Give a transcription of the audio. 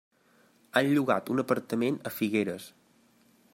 Han llogat un apartament a Figueres.